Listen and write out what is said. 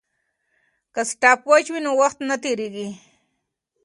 که سټاپ واچ وي نو وخت نه تېریږي.